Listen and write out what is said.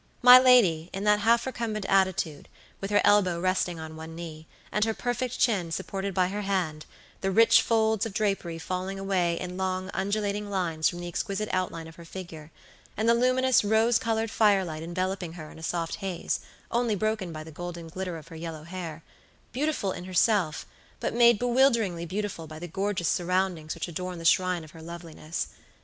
My lady in that half recumbent attitude, with her elbow resting on one knee, and her perfect chin supported by her hand, the rich folds of drapery falling away in long undulating lines from the exquisite outline of her figure, and the luminous, rose colored firelight enveloping her in a soft haze, only broken by the golden glitter of her yellow hairbeautiful in herself, but made bewilderingly beautiful by the gorgeous surroundings which adorn the shrine of her loveliness.